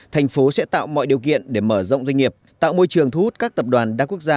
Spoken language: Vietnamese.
thành phố sẽ tạo mọi điều kiện để mở rộng doanh nghiệp tạo môi trường thu hút các tập đoàn đa quốc gia